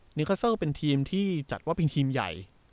นิวคัสเซอร์เป็นทีมที่จัดว่าเป็นทีมใหญ่